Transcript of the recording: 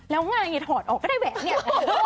แล้วงานอย่างงี้ถอดออกก็ได้แหวะเนี่ย